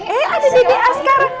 eh ada dede asgara